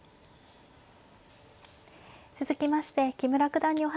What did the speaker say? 続きまして木村九段にお話を伺います。